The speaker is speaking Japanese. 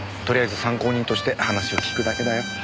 とりあえず参考人として話を聞くだけだよ。